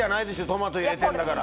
トマト入れてんだから。